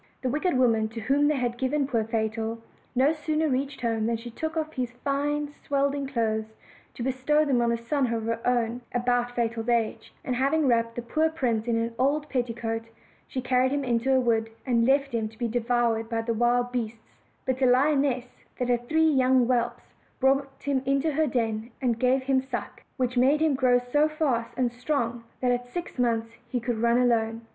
The wicked woman to whom they had given poor Fatal no sooner reached home than she took off his fine swaddling clothes, to bestow them on a son of her own about Fatal's age; and having wrapped the poor prince in an old petticoat, she carried him into a wood, and left him to be devoured by the wild beasts; but a lioness, that had three young whelps, brought him into her den, and gave him suck; which made him grow so fast and strong that at six months he could run alone.